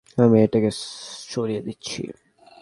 আমি এটাকে সরিয়ে দিচ্ছি।